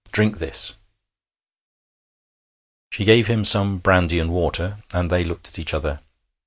Drink this.' She gave him some brandy and water, and they looked at each other.